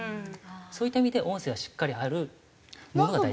そういった意味で音声はしっかりあるものが大事です。